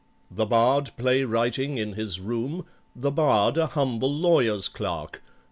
The bard play writing in his room, The bard a humble lawyer's clerk.